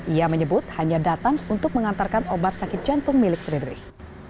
ia menyebut hanya datang untuk mengantarkan obat sakit jantung milik frederick